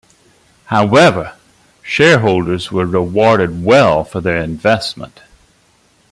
However, shareholders were rewarded well for their investment.